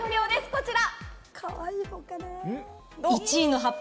こちら！